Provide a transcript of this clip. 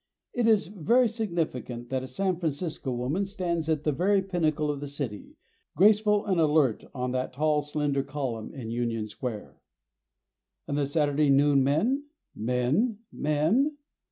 It is very significant that a San Francisco woman stands at the very pinnacle of the city, graceful and alert on that tall slender column in Union Square. And the Saturday noon men men? men?